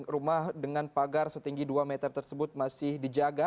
rumah dengan pagar setinggi dua meter tersebut masih dijaga